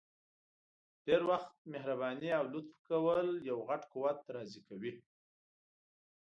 ډير وخت مهرباني او لطف کول یو غټ قوت راضي کوي!